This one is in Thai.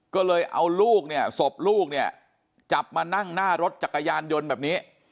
ก็เลยเอาลูกเนี่ยศพลูกเนี่ยจับมานั่งหน้ารถจักรยานยนต์แบบนี้